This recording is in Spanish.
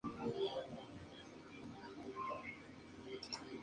Al tercera base Buck Weaver se le ofreció participar en el arreglo, pero rehusó.